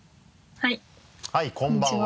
はいこんばんは。